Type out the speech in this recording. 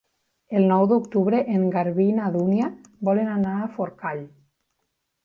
El nou d'octubre en Garbí i na Dúnia volen anar a Forcall.